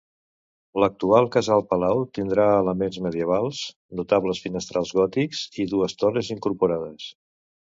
L'actual casal-palau tindrà elements medievals, notables finestrals gòtics i dues torres incorporades.